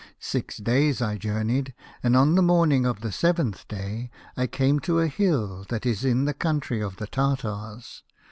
Six days I journeyed, and on the morning of the seventh day I came to a hill that is in the country of the Tartars.